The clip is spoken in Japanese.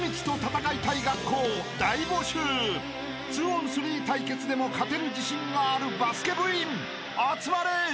［２ｏｎ３対決でも勝てる自信があるバスケ部員集まれ！］